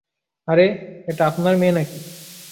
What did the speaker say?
আরে, এটা আপনার মেয়ে নাকি?